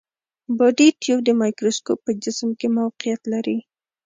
بادي ټیوب د مایکروسکوپ په جسم کې موقعیت لري.